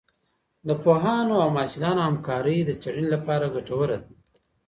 د پوهانو او محصلانو همکارۍ د څېړنې لپاره ګټوره ده.